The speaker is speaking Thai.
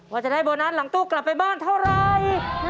ว่าจะได้โบนัสหลังตู้กลับไปบ้านเท่าไร